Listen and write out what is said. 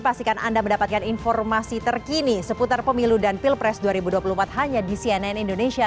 pastikan anda mendapatkan informasi terkini seputar pemilu dan pilpres dua ribu dua puluh empat hanya di cnn indonesia